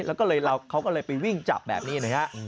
แล้วเขาก็เลยไปวิ่งจับแบบนี้นะครับ